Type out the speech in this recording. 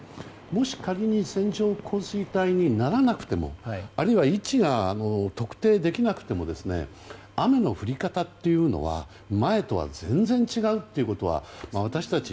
もし仮に線状降水帯にならなくてもあるいは位置が特定できなくても雨の降り方っていうのは前とは全然違うっていうことは私たち